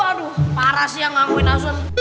aduh parah sih yang ngamuin asun